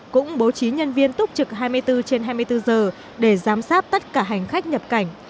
cũng bố trí nhân viên túc trực hai mươi bốn trên hai mươi bốn giờ để giám sát tất cả hành khách nhập cảnh